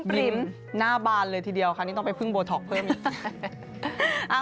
ลิ้มหน้าบานเลยทีเดียวค่ะนี่ต้องไปพึ่งโบท็อกเพิ่มอีก